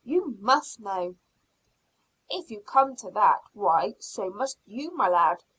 "You must know." "If you come to that, why, so must you, my lad.